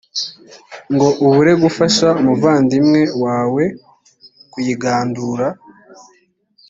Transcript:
ngo ubure gufasha umuvandimwe wawe kuyigandura.